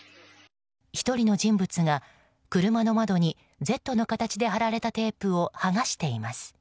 １人の人物が車の窓に「Ｚ」の形で貼られたテープを剥がしています。